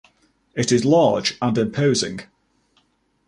It is large and imposing.